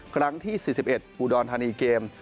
ครั้งที่๔๑อุดรธานีเกม